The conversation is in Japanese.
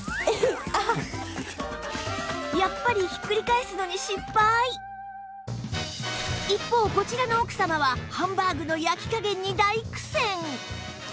やっぱり一方こちらの奥様はハンバーグの焼き加減に大苦戦！